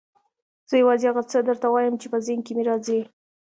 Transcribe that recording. زه یوازې هغه څه درته وایم چې په ذهن کې مې راځي.